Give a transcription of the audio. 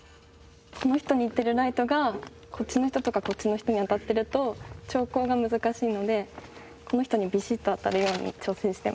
この人にいってるライトがこっちの人とかこっちの人に当たってると調光が難しいのでこの人にビシッと当たるように調整してます。